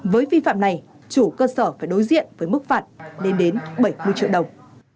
với vi phạm này chủ cơ sở phải đối diện với mức phạt lên đến bảy mươi triệu đồng